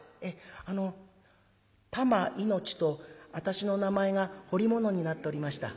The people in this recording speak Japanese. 「あの『たま命』と私の名前が彫り物になっておりました」。